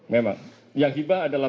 memang yang tiba adalah